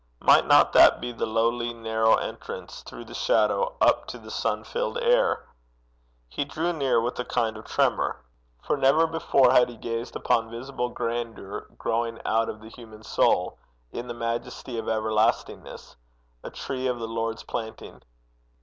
Might not that be the lowly narrow entrance through the shadow up to the sun filled air? He drew near with a kind of tremor, for never before had he gazed upon visible grandeur growing out of the human soul, in the majesty of everlastingness a tree of the Lord's planting.